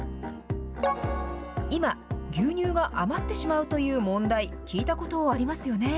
今、牛乳が余ってしまうという問題、聞いたことありますよね。